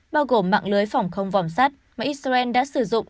bao gồm mạng lưới phòng không vòm sắt mà israel đã sử dụng